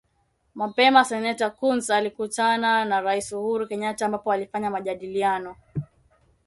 Mapema seneta Coons alikutana na rais Uhuru Kenyatta ambapo walifanya majadiliano